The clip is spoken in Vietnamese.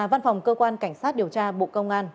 văn phòng cơ quan cảnh sát điều tra bộ công an